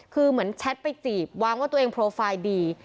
คือเหมือนแชทไปจีบวางว่าตัวเองโปรไฟล์ดี